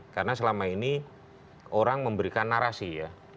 karena selama ini orang memberikan narasi ya